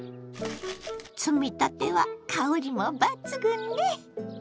摘みたては香りも抜群ね！